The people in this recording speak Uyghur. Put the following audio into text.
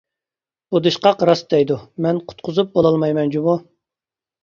بۇدۇشقاق راست دەيدۇ، مەن قۇتقۇزۇپ بولالمايمەن جۇمۇ.